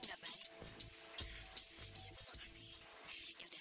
jangan lupa jaga kesehatan